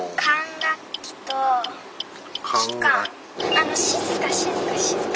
あの静か静か静か。